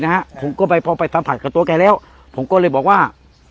นะฮะผมก็ไปพอไปสัมผัสกับตัวแกแล้วผมก็เลยบอกว่า